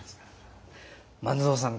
万蔵さん